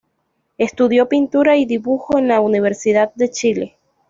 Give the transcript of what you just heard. Estudió pintura y dibujo en la Universidad de Chile.